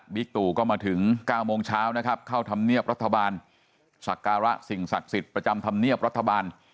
วิกตุก็มาถึง๙โมงเช้าเข้าทำเนียบรัฐบาลศักรรณสิ่งศักดิ์สิทธิ์ประจำทำเนียบรัฐบาล